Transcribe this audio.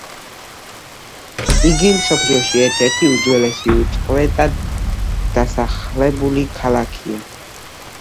იგი მსოფლიოში ერთ-ერთი უძველესი უწყვეტად დასახლებული ქალაქია.